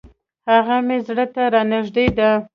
هغه مي زړه ته را نژدې ده .